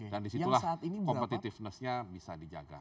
dan disitulah competitivenessnya bisa dijaga